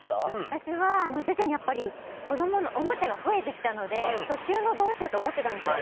私は徐々に子どものおもちゃが増えてきたので収納どうしようと思ってたんですよ